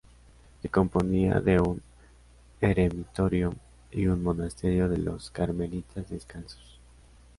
Se componía de un eremitorio y un monasterio de los carmelitas descalzos.